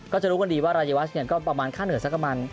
ก็จะรู้กันดีว่ารายวัชเนี่ยก็ประมาณค่าเหนือสักประมาณ